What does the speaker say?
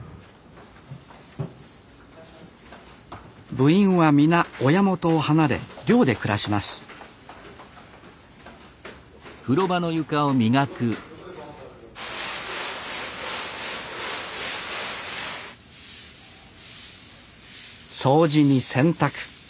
部員は皆親元を離れ寮で暮らします掃除に洗濯。